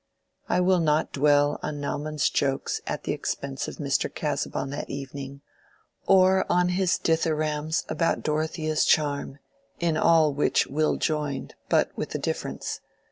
I will not dwell on Naumann's jokes at the expense of Mr. Casaubon that evening, or on his dithyrambs about Dorothea's charm, in all which Will joined, but with a difference.